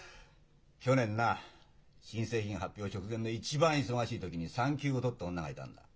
去年な新製品発表直前の一番忙しい時に産休を取った女がいたんだ。